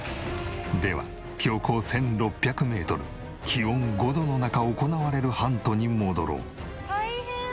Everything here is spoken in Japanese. では標高１６００メートル気温５度の中行われるハントに戻ろう。